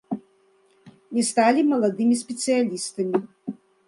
Не сталі маладымі спецыялістамі.